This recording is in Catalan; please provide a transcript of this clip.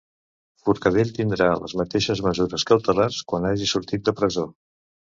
Forcadell tindrà les mateixes mesures cautelars quan hagi sortit de presó.